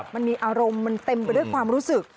มันมีอารมณ์มันเต็มไปด้วยความรู้สึก